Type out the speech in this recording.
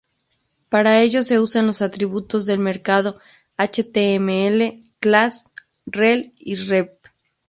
Para ello, se usan los atributos del marcado html class, rel y rev.